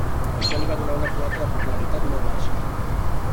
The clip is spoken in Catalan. Això li va donar una quota de popularitat molt baixa.